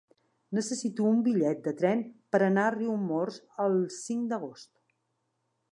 Necessito un bitllet de tren per anar a Riumors el cinc d'agost.